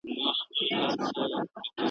مقابله کولای سي `